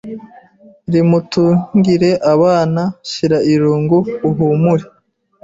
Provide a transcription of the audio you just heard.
Rimutungire abana Shira irungu uhumure